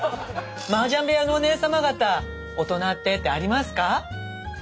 マージャン部屋のおねえ様方「大人って」ってありますか？